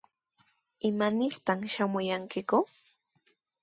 ¿Imanirtaq shamuyankiku?